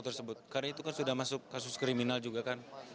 karena itu kan sudah masuk kasus kriminal juga kan